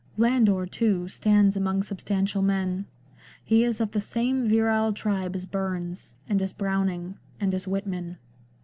Landor, too, stands among substantial men ; he is of the same virile tribe as Burns, and as Browning, and as Whitman.